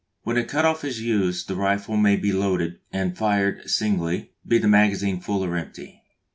When the cut off is used the rifle may be loaded and fired singly, be the magazine full or empty.